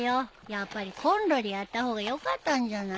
やっぱりこんろでやった方がよかったんじゃない？